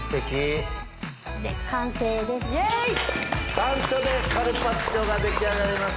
山椒でカルパッチョが出来上がりました。